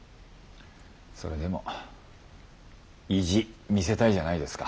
それでも意地見せたいじゃないですか。